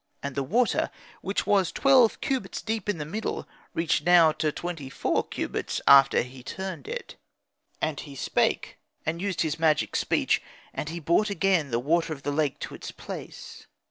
And the water, which was twelve cubits deep in the middle, reached now to twenty four cubits after he turned it. And he spake, and used his magic speech; and he brought again the water of the lake to its place.